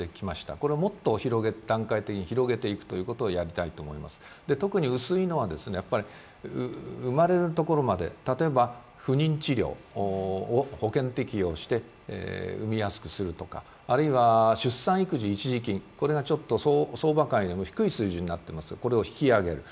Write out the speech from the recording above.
これを段階的に広げていくということをもっとやりたいと思います、特に薄いのは生まれるところまで例えば不妊治療を保険適用して産みやすくするとか、出産・育児一時金相場よりも低い水準になっていますので、これを引き上げる。